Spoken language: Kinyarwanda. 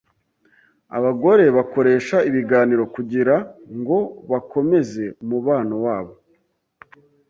Abagore bakoresha ibiganiro kugirango bakomeze umubano wabo.